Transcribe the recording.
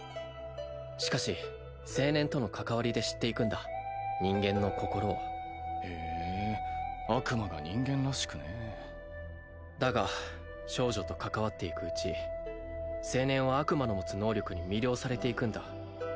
しかし青年との関わりで知っていくんだ人間の心をへえ悪魔が人間らしくねえだが少女と関わっていくうち青年は悪魔の持つ能力に魅了されていくんだ